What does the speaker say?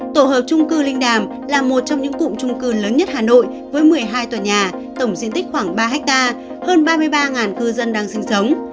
tổ hợp trung cư linh đàm là một trong những cụm trung cư lớn nhất hà nội với một mươi hai tòa nhà tổng diện tích khoảng ba hectare hơn ba mươi ba cư dân đang sinh sống